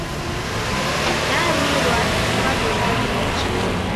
Narirwa ni mabemba gheocha.